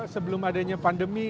sebelum adanya pandemi